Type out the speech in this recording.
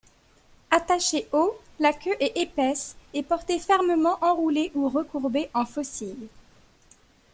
Attachée haut, la queue est épaisse, et portée fermement enroulée ou recourbée en faucille.